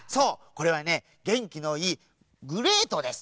これはねげんきのいいグレートです。